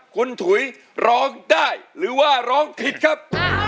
คุณถุยร้องได้หรือว่าร้องผิดครับ